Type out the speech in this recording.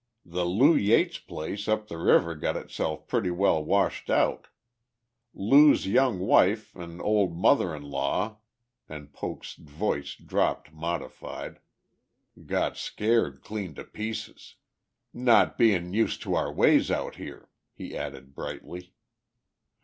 The Lew Yates place up the river got itself pretty well washed out; Lew's young wife an' ol' mother in law," and Poke's voice was properly modified, "got scared clean to pieces. Not bein' used to our ways out here," he added brightly.